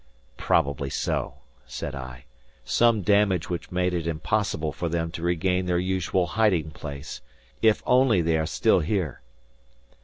"Probably so," said I. "Some damage which made it impossible for them to regain their usual hiding place. If only they are still here!"